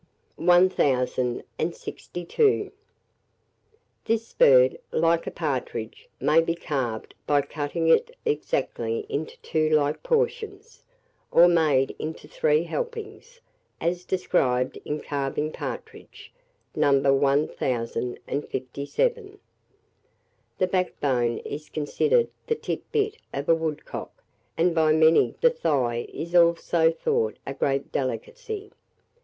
[Illustration: WOODCOCK.] 1062. This bird, like a partridge, may be carved by cutting it exactly into two like portions, or made into three helpings, as described in carving partridge (No. 1057). The backbone is considered the tit bit of a woodcock, and by many the thigh is also thought a great delicacy.